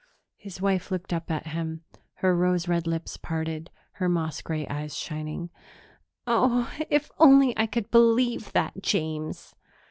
His wife looked up at him, her rose red lips parted, her moss gray eyes shining. "Oh, if only I could believe that, James!"